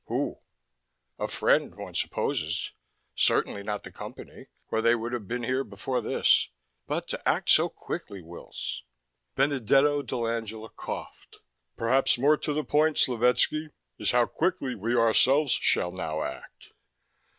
Who? A friend, one supposes certainly not the Company, or they would have been here before this. But to act so quickly, Wills!" Benedetto dell'Angela coughed. "Perhaps more to the point, Slovetski, is how quickly we ourselves shall now act."